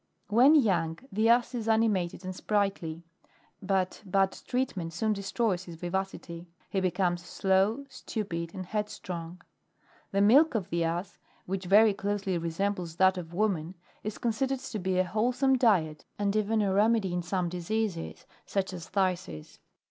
20. When young, the Ass is animated and sprightly ; but bad treatment soon destroys his vivacity : he becomes slow, stupid, and headstrong. 21. The milk of the Ass, which very closely resembles that of woman, is considered to be a wholesome diet, and even a remedy in some diseases, such as phthisis.